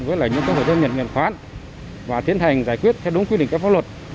với những hộ dân nhận nhận khoán và tiến hành giải quyết theo đúng quy định các pháp luật